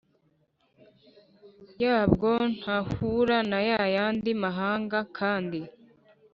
yabwo ntahura n ay ayandi mahanga kandi